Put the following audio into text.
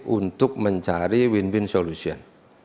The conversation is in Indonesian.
untuk mencari win win solution